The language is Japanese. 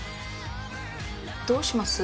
どうします？